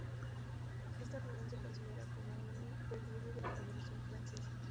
Esta reunión se considera como un preludio de la Revolución Francesa.